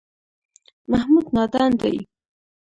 محمود نادان دی.